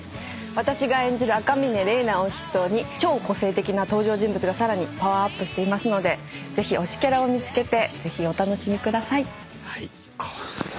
私が演じる赤嶺麗奈を筆頭に超個性的な登場人物がさらにパワーアップしていますのでぜひ推しキャラを見つけてお楽しみください。